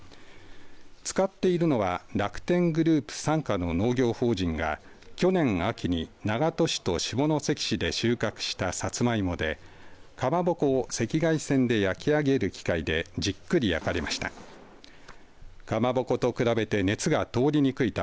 使っているのは楽天グループ傘下の農業法人が去年秋に長門市と下関市で収穫したさつまいもでかまぼこを赤外線で焼き上げる機械でじっくり焼かれました。